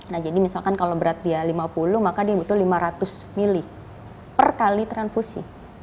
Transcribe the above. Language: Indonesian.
nah jadi misalkan kalau berat dia lima puluh maka dia butuh lima ratus ml per kali transfusi